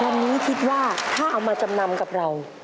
วันนี้คิดว่าถ้าเอามาจำนำกับเรา